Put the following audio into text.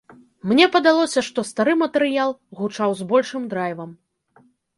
Мне падалося, што стары матэрыял гучаў з большым драйвам.